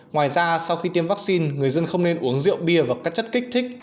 ngoài ra sau khi tiêm vaccine người dân không nên uống rượu bia và các chất kích thích